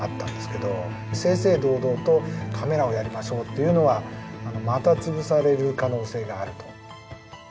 正々堂々と「カメラをやりましょう」と言うのはまた潰される可能性があると。